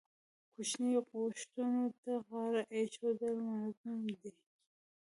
کوچنۍ غوښتنو ته غاړه ایښودل منطقي دي.